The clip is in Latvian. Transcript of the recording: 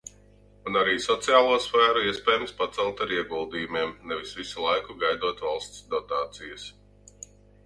Un arī sociālo sfēru iespējams pacelt ar ieguldījumiem, nevis visu laiku gaidot valsts dotācijas.